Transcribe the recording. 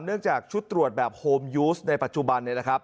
เนื่องจากชุดตรวจแบบโฮมยูสในปัจจุบัน